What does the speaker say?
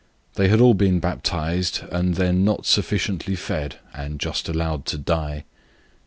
They had all been baptised and then not sufficiently fed, and just left to die.